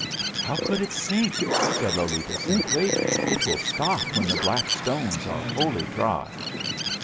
"How could it sink?" said Lolita, simply. "It will stop when the black stones are wholly dry."